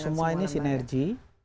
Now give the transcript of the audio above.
semua ini sinergi